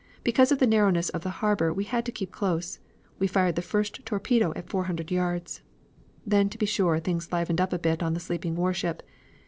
Because of the narrowness of the harbor we had to keep close; we fired the first torpedo at four hundred yards. "Then, to be sure, things livened up a bit on the sleeping warship.